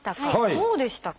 どうでしたか？